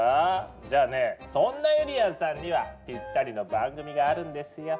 じゃあねそんなゆりやんさんにはぴったりの番組があるんですよ。